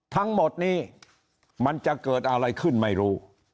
ทั้งหมดนี้มันจะเกิดอะไรขึ้นไม่รู้